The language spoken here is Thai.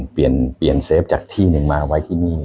เปลี่ยนเซฟจากที่หนึ่งมาไว้ที่นี่